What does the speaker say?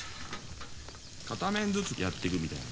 片面ずつやっていくみたいな。